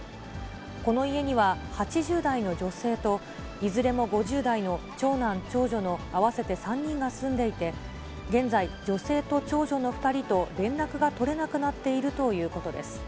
この家には、８０代の女性と、いずれも５０代の長男、長女の合わせて３人が住んでいて、現在、女性と長女の２人と連絡が取れなくなっているということです。